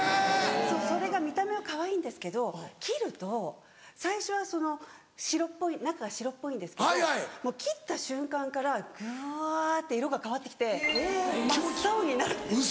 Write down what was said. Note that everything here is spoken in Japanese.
それが見た目はかわいいんですけど切ると最初はその中が白っぽいんですけどもう切った瞬間からぐわって色が変わって来て真っ青になるんです。